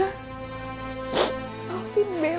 mari saya ambar dok permisi